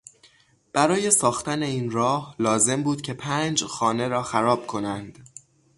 برای ساختن این راه لازم بود که پنج خانه را خراب کنند.